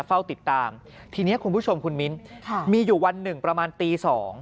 เฝ้าติดตามทีนี้คุณผู้ชมคุณมิ้นมีอยู่วันหนึ่งประมาณตี๒